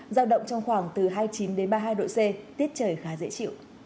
giao động trong khoảng từ hai mươi chín ba mươi hai độ c tiết trời khá dễ chịu